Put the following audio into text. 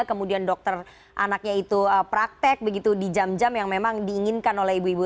kemudian dokter anaknya itu praktek begitu di jam jam yang memang diinginkan oleh ibu ibu